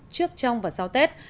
trước trong và sau tết